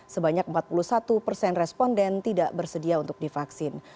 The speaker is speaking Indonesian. sebanyak empat puluh satu persen responden tidak bersedia untuk divaksin